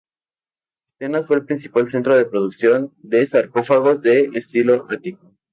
Atenas fue el principal centro de producción de sarcófagos de estilo ático.